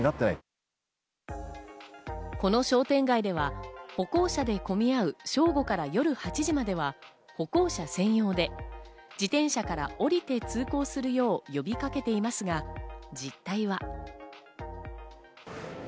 この商店街では、歩行者で混み合う正午から夜８時までは歩行者専用で、自転車から降りて通行するよう呼びかけていますが、実態は。